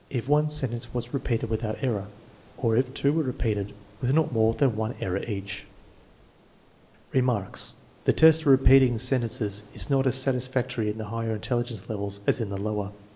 AVERAGE ADULT, ALTERNATIVE 2 333 if one sentence was repeated without error, or if two were repeated with not more than one error each. Remarks. The test of repeating sentences is not as satis factory in the higher intelligence levels as in the lower.